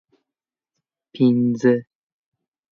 پنځه